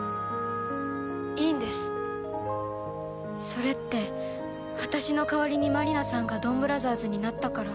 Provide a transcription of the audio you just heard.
それって私の代わりに真利菜さんがドンブラザーズになったから